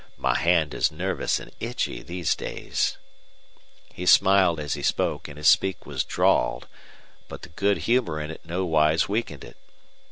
My hand is nervous and itchy these days." He smiled as he spoke, and his speech was drawled; but the good humor in no wise weakened it.